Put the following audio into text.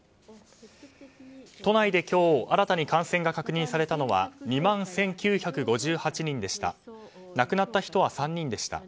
都内で今日、新たに感染が確認されたのは２万１９５８人でした。